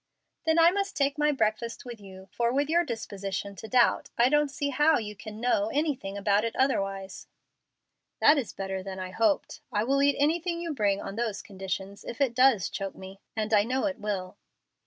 "Then I must take my breakfast with you, for with your disposition to doubt I don't see how you can 'know' anything about it otherwise." "That is better than I hoped. I will eat anything you bring on those conditions, if it does choke me and I know it will."